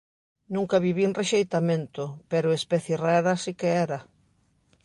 Nunca vivín rexeitamento, pero especie rara si que era.